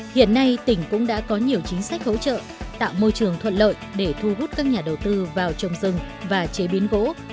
hiện nay tỉnh cũng đã có nhiều chính sách hỗ trợ tạo môi trường thuận lợi để thu hút các nhà đầu tư vào trồng rừng và chế biến gỗ